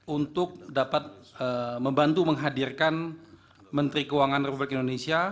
untuk dapat membantu menghadirkan menteri keuangan republik indonesia